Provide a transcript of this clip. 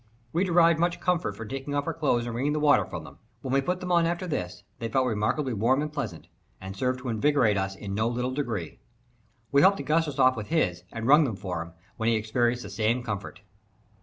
We derived much comfort from taking off our clothes and wringing the water from them. When we put them on after this, they felt remarkably warm and pleasant, and served to invigorate us in no little degree. We helped Augustus off with his, and wrung them for him, when he experienced the same comfort.